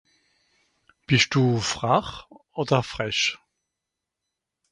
Bisch du frach oder frech ?